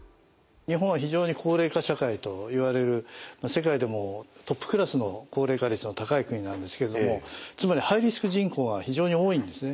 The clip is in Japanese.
日本は非常に高齢化社会といわれる世界でもトップクラスの高齢化率の高い国なんですけれどもつまりハイリスク人口が非常に多いんですね。